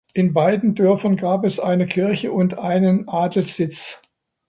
In beiden Dörfern gab es eine Kirche und einen Adelssitz.